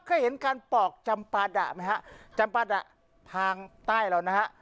เคยเห็นการปอกจำปาดะไหมฮะจำปาดะทางใต้เรานะฮะ